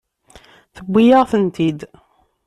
Tewwi-yaɣ-tent-id.